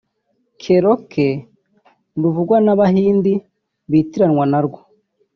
Cherokee ruvugwa n’Abahindi bitiranwa narwo